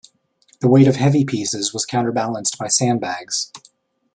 The weight of heavy pieces was counterbalanced by sandbags.